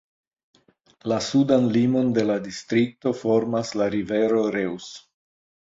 La sudan limon de la distrikto formas la rivero Reuss.